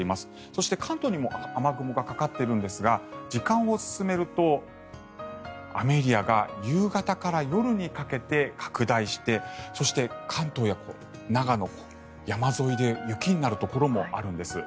そして、関東にも雨雲がかかっているんですが時間を進めると雨エリアが夕方から夜にかけて拡大してそして、関東や長野、山沿いで雪になるところもあるんです。